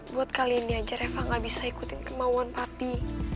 buat kali ini aja reva nggak bisa ikutin kemauan papi